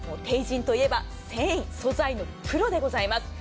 ＴＥＩＪＩＮといえば繊維素材のプロでございます。